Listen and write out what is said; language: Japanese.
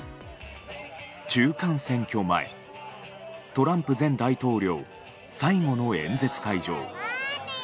中間選挙前、トランプ前大統領最後の演説会場。